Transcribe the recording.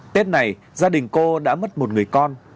tết này gia đình cô đã mất một người con